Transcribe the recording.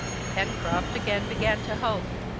Pencroft again began to hope.